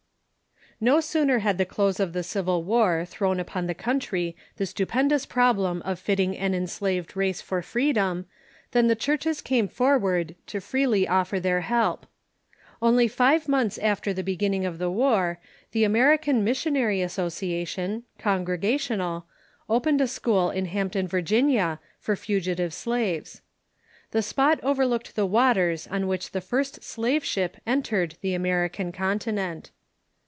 No sooner had the close of the Civil War thrown upon the country the stupendous problem of fitting an enslaved race for freedom than the churches came forward to freely The Freedmen i • i i r\ ^ c ^ r i i otter then' help. Only five months alter the be ginning of the "war, the American Missionary Association (Congregational) opened a school at Hampton, Virginia, for fugitive slaves. "The spot overlooked the waters on which the first slave ship entered the American continent."